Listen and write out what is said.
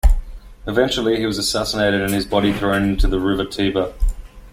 Eventually, he was assassinated, and his body thrown into the river Tiber.